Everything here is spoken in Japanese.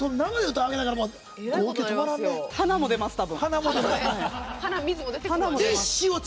はなも出ます、多分。